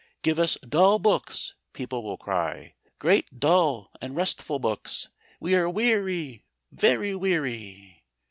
"Give us dull books," people will cry, "great dull restful pictures. We are weary, very weary."